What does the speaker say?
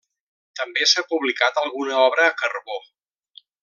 També s'ha publicat alguna obra a carbó.